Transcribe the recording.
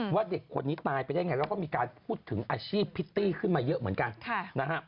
ว่าเด็กคนนี้ตายไปได้ไงแล้วก็มีการพูดถึงอาชีพพิตตี้ขึ้นมาเยอะเหมือนกันนะฮะ